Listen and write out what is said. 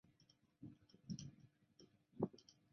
翁郭依等人归附土默特部。